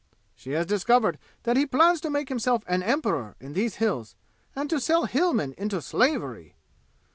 She has discovered that he plans to make himself an emperor in these Hills, and to sell Hillmen into slavery!"